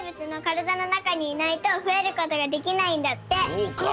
そうか。